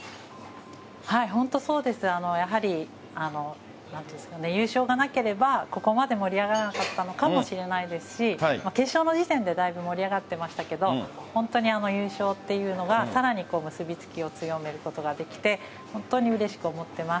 本当そうです、やはり優勝がなければ、ここまで盛り上がらなかったのかもしれないですし、決勝の時点でだいぶ盛り上がってましたけど、本当に優勝っていうのは、さらに結び付きを強めることができて、本当にうれしく思ってます。